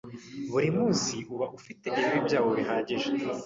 Buri munsi uba ufite ibibi byawo bihagije.